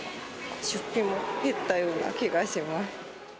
出費も減ったような気がします。